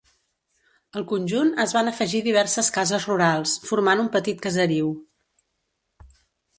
Al conjunt, es van afegir diverses cases rurals, formant un petit caseriu.